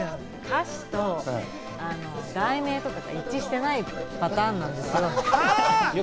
歌詞と題名とかが一致してないパターンなんですよ。